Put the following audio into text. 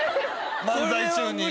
漫才中に。